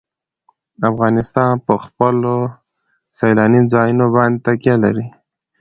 افغانستان په خپلو سیلاني ځایونو باندې تکیه لري.